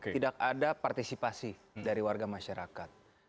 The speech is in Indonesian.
tidak ada partisipasi dari warga masyarakat